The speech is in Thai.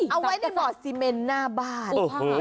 เอาไว้ในบ่อซีเมนหน้าบ้าน